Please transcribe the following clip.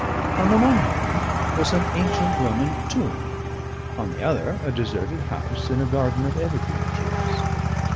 On the one hand was an ancient Roman tomb; on the other a deserted house in a garden of evergreen trees.